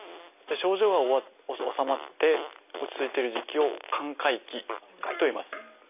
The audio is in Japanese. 症状が治まって落ち着いてる時期を「寛解期」といいます。